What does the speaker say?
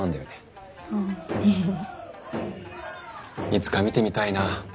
いつか見てみたいな。